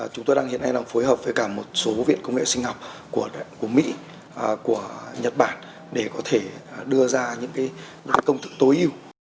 chúng tôi hiện nay đang phối hợp với cả một số viện công nghệ sinh học của mỹ của nhật bản để có thể đưa ra những công thức tối ưu